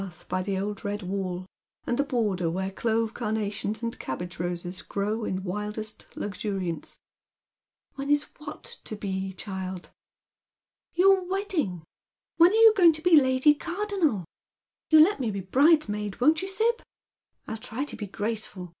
th by the old red wall, and the border where clove carnations and cabbage ros?(j grow in wildest luxuriance. " When is tohat to be, child ?" 134 Dead Mens Shoes. " Your wedding. "When are you going to be Lady Cardonnel? You'll let me be bridesmaid, won't you, Sib ? Ill try to be graceful.